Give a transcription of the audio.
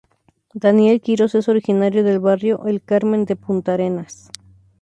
Daniel Quirós es originario del barrio El Carmen de Puntarenas.